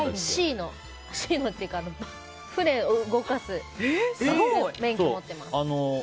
シーのっていうか船を動かす免許を持ってます。